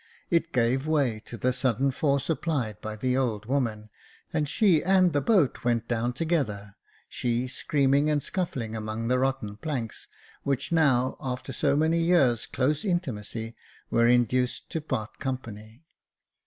It gave way to the sudden force applied by the old woman, and she and the boat went down together, she screaming and scuffling among the rotten planks, which now, after so many years' close intimacy, were induced to part company.